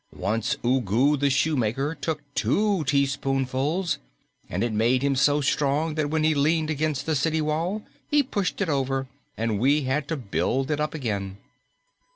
Once Ugu the Shoemaker took two teaspoonsful, and it made him so strong that when he leaned against the city wall, he pushed it over, and we had to build it up again."